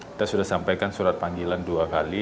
kita sudah sampaikan surat panggilan dua kali